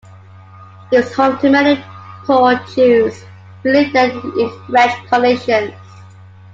It was home to many poor Jews who lived there in wretched conditions.